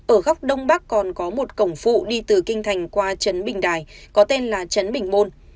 ở góc đông bắc còn có một cổng phụ đi từ kinh thành qua trấn bình đài có tên là trấn bình môn